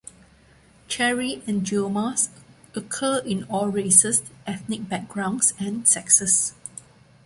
Cherry angiomas occur in all races, ethnic backgrounds, and sexes.